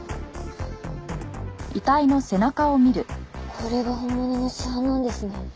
これが本物の死斑なんですね。